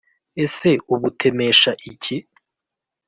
ese Ubutemesha iki ?»